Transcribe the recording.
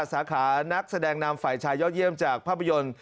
สาขานักแสดงนำฝ่ายชายยอดเยี่ยมจากภาพยนตร์